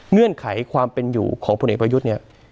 เงื่อนไขความเป็นอยู่ของพลเอกประยุทธ์เนี่ย